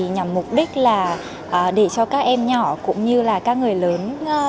nhằm mục đích để cho các em nhỏ cũng như các người lớn